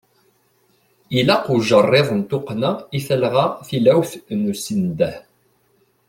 Ilaq ujeṛṛiḍ n tuqqna i telɣa tilawt n usendeh.